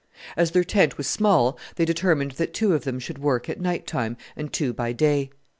As their tent was small they determined that two of them should work at night time and two by day.